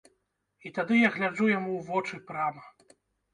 І тады я гляджу яму ў вочы прама.